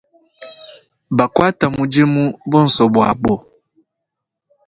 Bakuata mudimu bonso buabo.